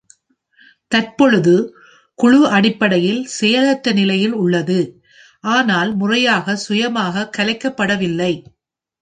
தற்போது குழு அடிப்படையில் செயலற்ற நிலையில் உள்ளது, ஆனால் முறையாக சுயமாகக் கலைக்கப்படவில்லை.